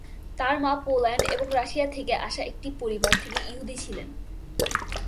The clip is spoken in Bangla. তার মা পোল্যান্ড এবং রাশিয়া থেকে আসা একটি পরিবার থেকে ইহুদি ছিলেন।